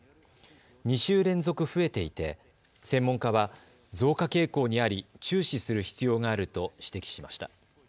２週連続増えていて、専門家は増加傾向にあり注視する必要があると指摘しました。